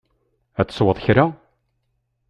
Ad tesweḍ kra?